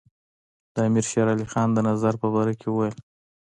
د امیر شېر علي د نظر په باره کې وویل.